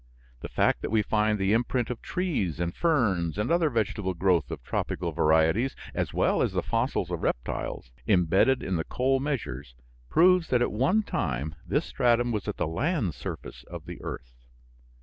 The fact that we find the imprint of trees and ferns and other vegetable growth of tropical varieties, as well as the fossils of reptiles, imbedded in the coal measures, proves that at one time this stratum was at the land surface of the earth.